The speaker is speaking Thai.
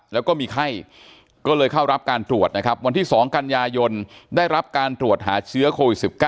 แล้วก็มีไข้ก็เลยเข้ารับการตรวจนะครับวันที่๒กันยายนได้รับการตรวจหาเชื้อโควิด๑๙